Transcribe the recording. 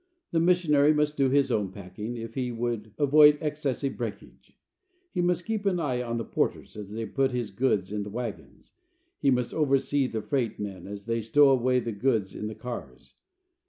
The missionary must do his own packing, if he would avoid excessive breakage. He must keep an eye on the porters as they put his goods in the wagons. He must oversee the freight men as they stow away the goods in the cars.